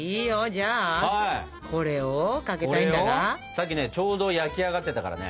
さっきねちょうど焼き上がってたからね。